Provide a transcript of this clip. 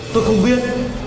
tôi không biết